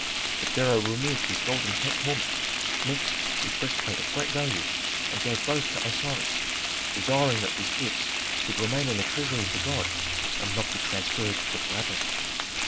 The pharaoh removed his golden helmet; next, his breastplate of great value, and gave both to Osiris, desiring that these gifts should remain in the treasury of the god, and not be transferred to the labyrinth.